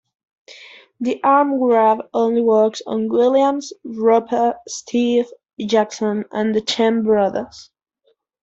The arm grab only works on Williams, Roper, Steve, Jackson and the Chen brothers.